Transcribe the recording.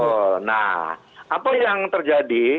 betul nah apa yang terjadi